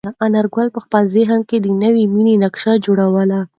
انارګل په خپل ذهن کې د نوې مېنې نقشه جوړوله.